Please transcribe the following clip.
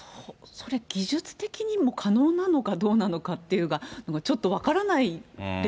それ、技術的にも可能なのかどうなのかって、ちょっと分から